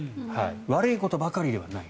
悪いことばかりではない。